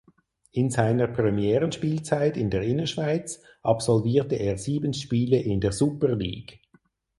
In seiner Premierenspielzeit in der Innerschweiz absolvierte er sieben Spiele in der Super League.